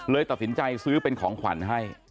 ตัดสินใจซื้อเป็นของขวัญให้